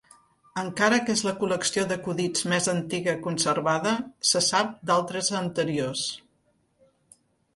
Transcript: Encara que és la col·lecció d'acudits més antiga conservada, se sap d'altres anteriors.